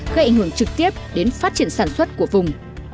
gây ảnh hưởng trực tiếp đến phát triển sản xuất của vùng